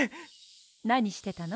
なにしてたの？